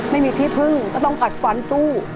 ไม่มีที่พึ่งก็ต้องกัดฟันสู้